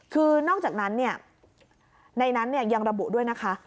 คือนอกจากนั้นในนั้นยังระบุด้วยนะคะ